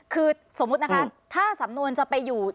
คือสมมุตินะคะถ้าสำนวนจะไปอยู่